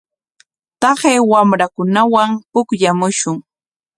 Taqay wamrakunawan pukllamushun.